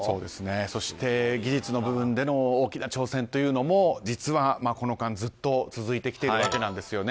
そして、技術の部分での大きな挑戦というのも実は、この間ずっと続いてきてるわけなんです。